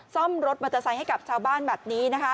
ซ่อมรถมันจะใส่ให้กับชาวบ้านแบบนี้นะคะ